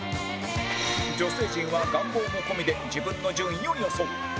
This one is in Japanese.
女性陣は願望も込みで自分の順位を予想